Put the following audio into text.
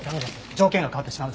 条件が変わってしまう。